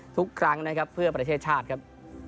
ทุกครั้งนะครับเพื่อประเทศชาติครับ